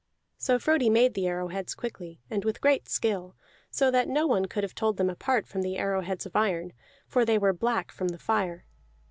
So Frodi made the arrow heads quickly and with great skill, so that no one could have told them apart from the arrow heads of iron, for they were black from the fire.